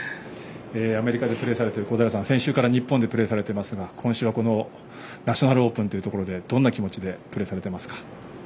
アメリカでプレーされている小平さん、先週から日本でプレーされていますが今週はこのナショナルオープンでどんな気持ちでプレーされていますか？